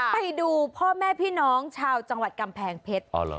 ไปดูพ่อแม่พี่น้องชาวจังหวัดกำแพงเพชร